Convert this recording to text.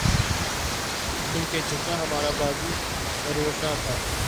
کیونکہ جتنا ہمارا بازو مروڑنا تھا۔